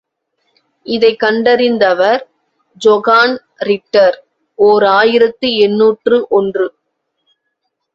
இதைக் கண்டறிந்தவர் ஜொகான் ரிட்டர், ஓர் ஆயிரத்து எண்ணூற்று ஒன்று.